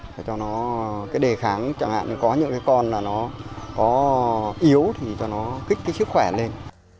để cho nó cái đề kháng chẳng hạn như có những cái con là nó có yếu thì cho nó kích cái sức khỏe lên